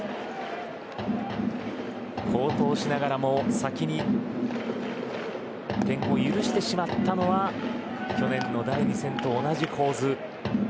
好投しながらも先に点を許してしまったのは去年の第２戦と同じ構図。